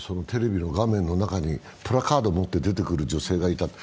テレビの画面の中にプラカード持って出てくる女性がいた。